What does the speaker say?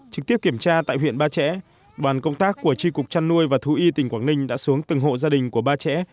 trực tiếp kiểm tra tại huyện ba trẻ đoàn công tác của tri cục trăn nuôi và thú y tỉnh quảng ninh đã xuống từng hộ gia đình của ba trẻ